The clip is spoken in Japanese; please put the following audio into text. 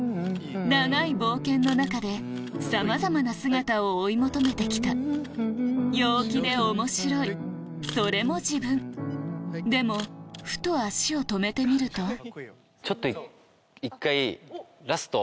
長い冒険の中でさまざまな姿を追い求めて来た陽気で面白いそれも自分でもふと足を止めてみるとちょっと一回ラスト。